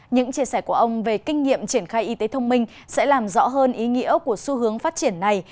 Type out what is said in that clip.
những chia sẻ của ông về kinh nghiệm triển khai y tế thông minh sẽ làm rõ hơn ý nghĩa của xu hướng phát triển này